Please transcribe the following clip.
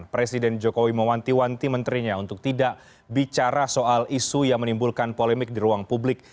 presiden jokowi mewanti wanti menterinya untuk tidak bicara soal isu yang menimbulkan polemik di ruang publik